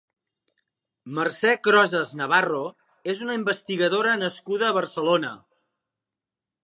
Mercè Crosas Navarro és una investigadora nascuda a Barcelona.